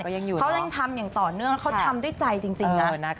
เขายังทำอย่างต่อเนื่องแล้วเขาทำด้วยใจจริงนะ